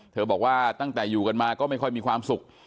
บอกว่าตั้งแต่อยู่กันมาก็ไม่ค่อยมีความสุข